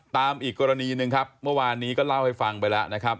ตามอีกกรณีหนึ่งครับเมื่อวานนี้ก็เล่าให้ฟังไปแล้วนะครับ